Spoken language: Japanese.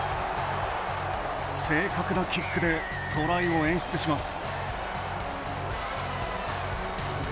正確なキックでトライを演出します。